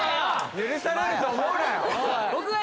・許されると思うなよ